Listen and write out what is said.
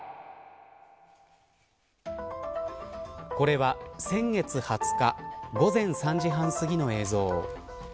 これは先月２０日午前３時半すぎの映像。